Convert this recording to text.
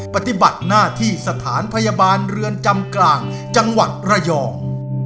ปฏิบัติหน้าที่สถานพยาบาลเรือนจำกลางจังหวัดระยอง